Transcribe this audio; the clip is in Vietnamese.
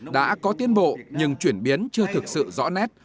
đã có tiến bộ nhưng chuyển biến chưa thực sự rõ nét